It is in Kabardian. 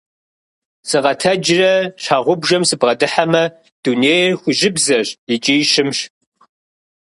Сыкъэтэджрэ щхьэгъубжэм сыбгъэдыхьэмэ, дунейр хужьыбзэщ икӀи щымщ.